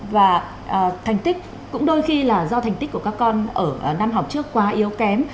và thành tích cũng đôi khi là do thành tích của các con ở năm học trước quá yếu kém